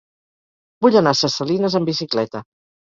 Vull anar a Ses Salines amb bicicleta.